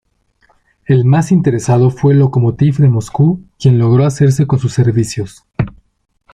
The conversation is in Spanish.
El más interesado fue el Lokomotiv de Moscú, quien logró hacerse con sus servicios.